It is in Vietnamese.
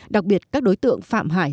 đặc biệt các đối tượng phạm hải